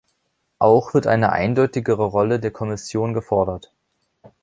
Auch wird eine eindeutigere Rolle der Kommission gefordert.